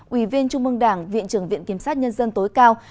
ủy viên trung mương đảng viện trưởng viện kiểm sát nhân dân tối cao